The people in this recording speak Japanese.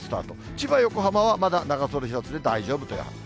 千葉、横浜はまだ長袖シャツで大丈夫という判断。